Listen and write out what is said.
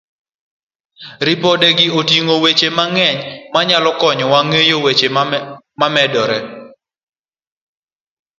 Ripodegi oting'o weche mang'eny manyalo konyowa ng'eyo weche momedore.